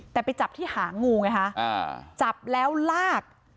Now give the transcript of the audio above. แต่ไปจับที่หางงูไงคะจับแล้วลาก